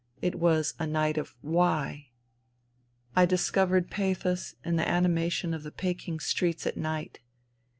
It was I night of Why ? I discovered pathos in the anima jion of the Peking streets at night.